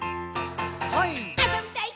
「あそびたい！